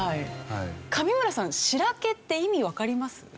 上村さん「しらけ」って意味わかります？